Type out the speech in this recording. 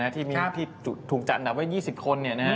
ที่ถูกจัดอันดับไว้๒๐คน